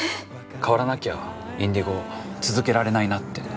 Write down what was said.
変わらなきゃＩｎｄｉｇｏ続けられないなって。